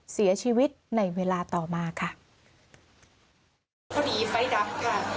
เสียชีวิตในเวลาต่อมาค่ะพอดีไฟท์ดับค่ะ